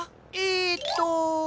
えっと。